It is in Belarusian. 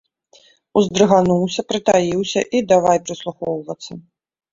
Уздрыгануўся, прытаіўся і давай прыслухоўвацца.